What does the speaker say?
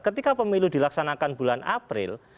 ketika pemilu dilaksanakan bulan april